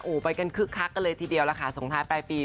โอ้โหไปกันคึกคักกันเลยทีเดียวล่ะค่ะส่งท้ายปลายปี